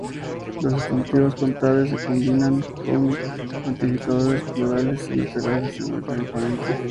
Los sustantivos contables se combinan con cuantificadores plurales sin alterarse semánticamente.